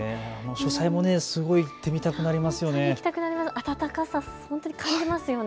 書斎もすごい行ってみたくなりますよね。